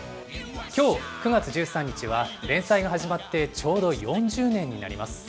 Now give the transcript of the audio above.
きょう９月１３日は、連載が始まってちょうど４０年になります。